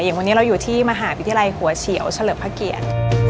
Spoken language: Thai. อย่างวันนี้เราอยู่ที่มหาวิทยาลัยหัวเชียวเฉลิมภาเกียร